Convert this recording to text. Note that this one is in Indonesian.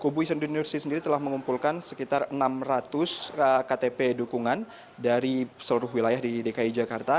kubu ihsanuddin nursi sendiri telah mengumpulkan sekitar enam ratus ktp dukungan dari seluruh wilayah di dki jakarta